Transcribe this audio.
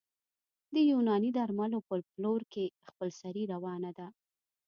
د یوناني درملو په پلور کې خپلسري روانه ده